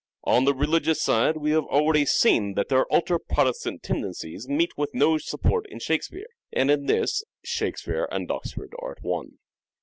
On the religious side we have already seen that their ultra protestant tendencies meet with no support in Shakespeare, and in this Shakespeare and Oxford are at one.